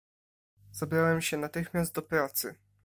"Zabrałem się natychmiast do pracy."